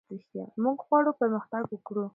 موږ غواړو پرمختګ وکړو.